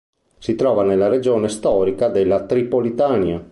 Si trova nella regione storica della Tripolitania.